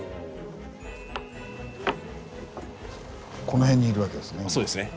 この辺にいるわけですね